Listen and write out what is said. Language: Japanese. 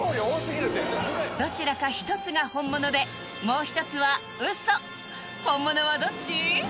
どちらか一つが本物でもう一つはウソ本物はどっち？